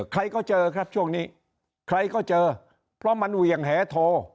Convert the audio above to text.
ใครก็เจอครับช่วงนี้ใครก็เจอเพราะมันเหวี่ยงแหโท